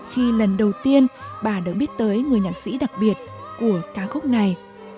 khi lần đầu tiên bà được biết tới người nhạc sĩ đặc biệt của ca khúc này